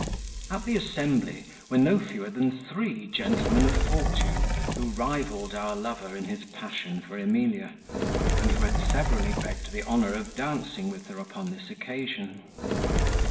At the assembly, were no fewer than three gentlemen of fortune, who rivalled our lover in his passion for Emilia, and who had severally begged the honour of dancing with her upon this occasion.